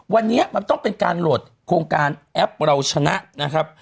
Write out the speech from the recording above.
วันนี้มันต้องเป็นการโหลดโครงการแอปเราชนะนะครับ